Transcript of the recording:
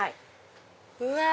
うわ！